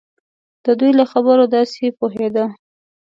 د دوی له خبرو داسې پوهېده.